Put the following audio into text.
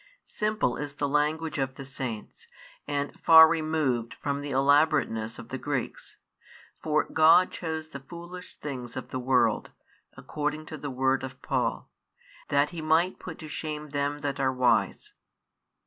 Simple is the language of the saints, and far removed from the elaborateness of the Greeks: for God chose the foolish things of the world, according to the word of Paul, that He might put to shame them that are wise.